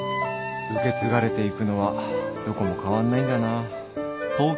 受け継がれていくのはどこも変わんないんだな。